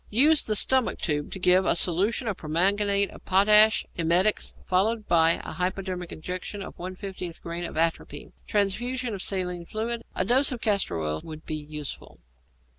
_ Use the stomach tube to give a solution of permanganate of potash, emetics, followed by a hypodermic injection of 1/50 grain of atropine. Transfusion of saline fluid. A dose of castor oil would be useful.